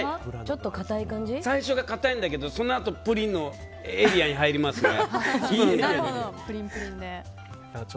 最初が固いんだけどそのあとプリンのエリアに入りますね。